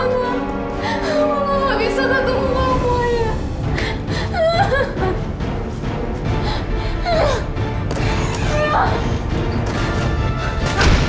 mama mama bisa gak temukan mama ayah